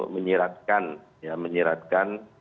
menyiratkan ya menyiratkan